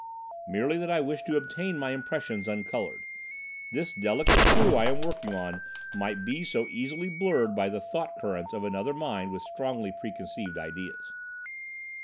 "Merely that I wish to obtain my impressions uncoloured. This delicate clue I am working on might be so easily blurred by the thought currents of another mind with strongly preconceived ideas."